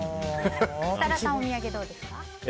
設楽さんはお土産どうですか？